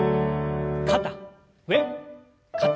肩上肩下。